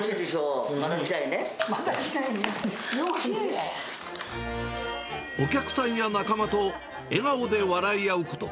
また来たいねって、よう言うお客さんや仲間と笑顔で笑い合うこと。